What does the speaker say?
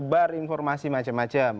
mendebar informasi macam macam